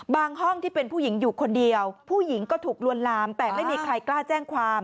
ห้องที่เป็นผู้หญิงอยู่คนเดียวผู้หญิงก็ถูกลวนลามแต่ไม่มีใครกล้าแจ้งความ